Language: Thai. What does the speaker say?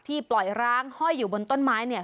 ที่ปล่อยรังห้อยอยู่บนต้นไม้